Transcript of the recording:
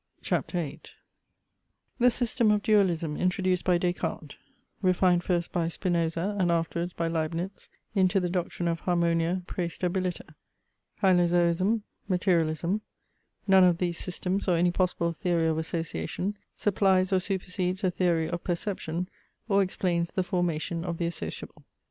CHAPTER VIII The system of Dualism introduced by Des Cartes Refined first by Spinoza and afterwards by Leibnitz into the doctrine of Harmonia praestabilita Hylozoism Materialism None of these systems, or any possible theory of association, supplies or supersedes a theory of perception, or explains the formation of the associable.